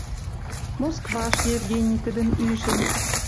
Москваш Евгений тӹдӹм ӱжӹн.